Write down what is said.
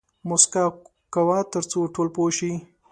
موسکا کوه تر څو ټول پوه شي